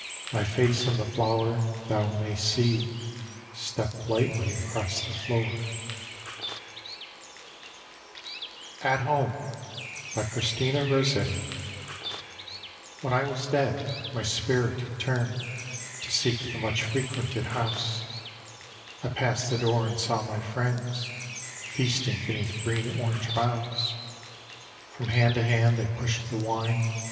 My face in the flower thou mayst sec. Step lightly across the floor. D,gt,, erihyGOOgle The Haunted Hour AT HOME : Christina rossetti When I was dead, my spirit turned To seek the much frequented house. I passed the door, and saw my friends Feasting beneath green orange boughs; From hand to hand they pushed the wine.